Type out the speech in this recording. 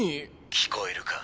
聞こえるか？